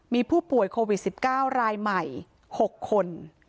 มีผู้ป่วยโควิด๑๙รายใหม่๖คน